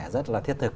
rất là thiết thực